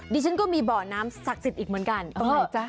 ดิฉันก็มีบ่อน้ำศักดิ์สิทธิ์อีกเหมือนกันตรงไหนจ๊ะ